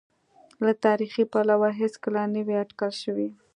له تاریخي پلوه هېڅکله نه وې اټکل شوې.